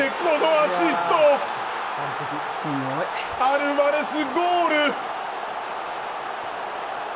アルヴァレス、ゴール！